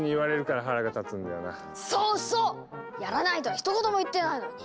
そうそう！やらないとはひと言も言ってないのに。